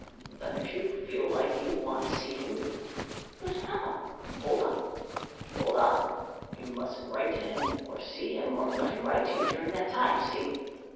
Then if you feel like you want to see him " "But how " "Hold on. You mustn't write to him, or see him, or let him write to you during that time, see?